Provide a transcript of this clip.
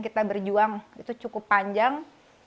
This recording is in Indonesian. kita berjuang itu cukup panjang